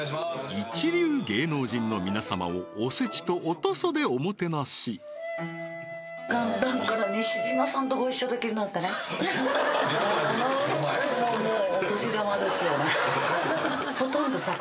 一流芸能人の皆様をおせちとお屠蘇でおもてなしははははっ